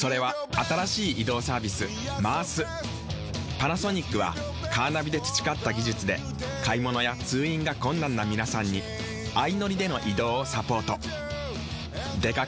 パナソニックはカーナビで培った技術で買物や通院が困難な皆さんに相乗りでの移動をサポート。